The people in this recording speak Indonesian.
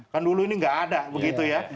kan dulu ini nggak ada begitu ya